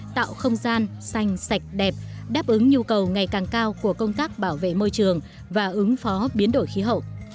tạo không gian xanh sạch đẹp đáp ứng nhu cầu ngày càng cao của công tác bảo vệ môi trường và ứng phó biến đổi khí hậu